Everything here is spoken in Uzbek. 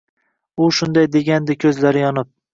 u shunday degandi ko’zlari yonib.